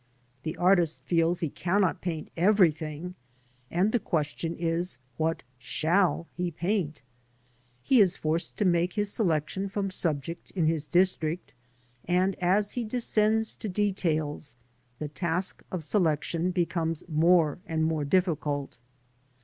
The artist feels he cannot paint everything, and the question is — ^what s/ui// he paint? He is forced to make his selection from subjects in his district, and as he descends to details, the task of selection becomes more and more difficult.